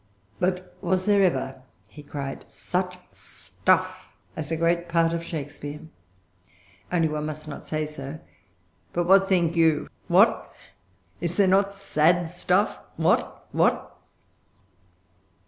"But was there ever," he cried, "such stuff as great part of Shakespeare? Only one must not say so. But what think you? What? Is there not sad stuff? What? What?"